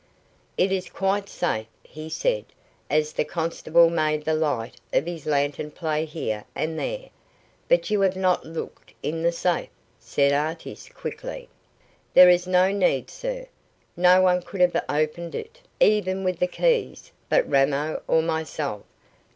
"It is quite safe," he said, as the constable made the light of his lantern play here and there. "But you have not looked in the safe," said Artis, quickly. "There is no need, sir. No one could have opened it, even with the keys, but Ramo or myself.